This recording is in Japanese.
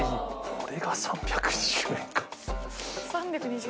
これが３２０円か。